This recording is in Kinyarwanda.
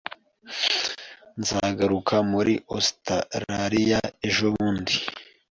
Nzagaruka muri Ositaraliya ejobundi.